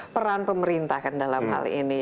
peran pemerintah kan dalam hal ini